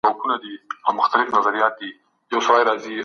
خلګ ولي په ټاکنو کي برخه اخلي؟